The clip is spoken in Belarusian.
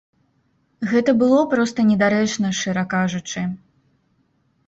Гэта было проста недарэчна, шчыра кажучы.